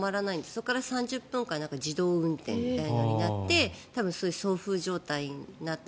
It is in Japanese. そこから３０分くらい自動運転みたいになって多分、送風状態になって。